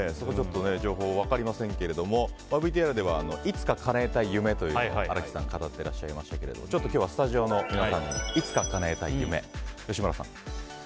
情報が分かりませんけれどもＶＴＲではいつかかなえたい夢を新木さんが語っていらしましたが今日はスタジオの皆さんにいつかかなえたい夢、吉村さん。